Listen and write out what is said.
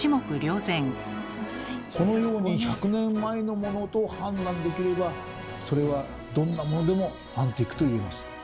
このように１００年前のモノと判断できればそれはどんなものでもアンティークと言えます。